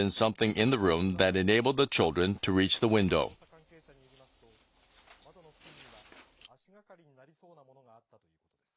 捜査関係者によりますと窓の付近には足がかりになりそうなものがあったということです。